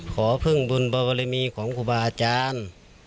ขอเพิ่งบุญบรรพลิมีของกุบาอาจารย์